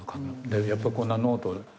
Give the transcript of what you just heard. やっぱこんなノートに。